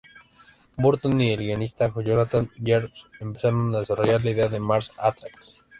Burton y el guionista Jonathan Gems empezaron a desarrollar la idea de "Mars Attacks!